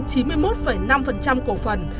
chín mươi một năm cổ phần